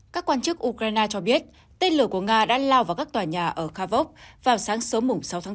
các quan chức ukraine cho biết tên lửa của nga đã lao vào các tòa nhà ở kavok vào sáng sớm sáu tháng bốn